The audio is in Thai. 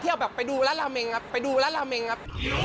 เอาแบบไปดูร้านราเมงครับไปดูร้านราเมงครับ